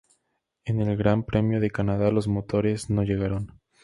En el Gran Premio de Canadá los motores no llegaron.